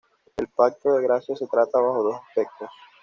El pacto de gracia se trata bajo dos aspectos.